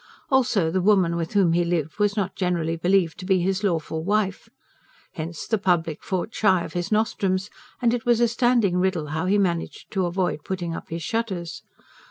Also, the woman with whom he lived was not generally believed to be his lawful wife. Hence the public fought shy of his nostrums; and it was a standing riddle how he managed to avoid putting up his shutters.